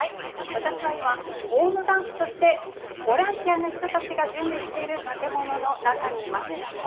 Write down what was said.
私は今ウォーム・バンクとしてボランティアの人たちが準備している建物の中にいます。